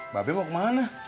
babe mau kemana